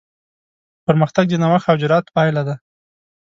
پرمختګ د نوښت او جرات پایله ده.